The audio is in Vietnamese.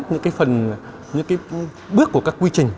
những bước của các quy trình